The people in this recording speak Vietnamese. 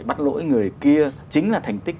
bắt lỗi người kia chính là thành tích